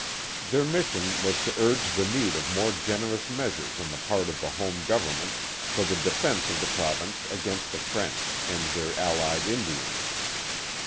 Their mission was to urge the need of more generous measures on the part of the home government for the defence of the province against the French and their allied Indians.